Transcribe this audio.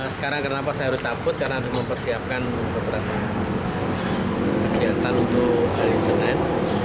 sekarang kenapa saya harus cabut karena harus mempersiapkan beberapa kegiatan untuk hari senin